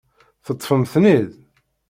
Teṭṭfem-ten-id?